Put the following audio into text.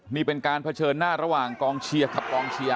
นี่เป็นการเผชิญหน้าระหว่างกองเชียร์กับกองเชียร์